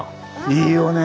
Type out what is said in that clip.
いいよね！